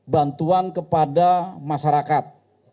bantuan kepada masyarakat